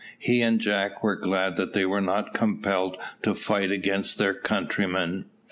He and Jack were glad that they were not compelled to fight against their countrymen.